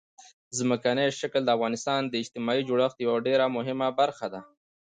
ځمکنی شکل د افغانستان د اجتماعي جوړښت یوه ډېره مهمه برخه ده.